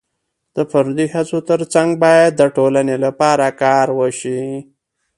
د فردي هڅو ترڅنګ باید د ټولنې لپاره کار وشي.